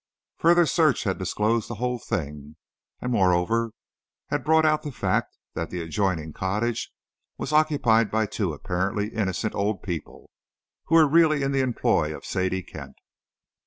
Further search had disclosed the whole thing, and, moreover, had brought out the fact, that the adjoining cottage was occupied by two apparently innocent old people, who were really in the employ of Sadie Kent.